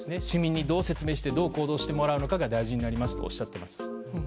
市民にどう説明してどう行動するのかが大事になりますとおっしゃっています。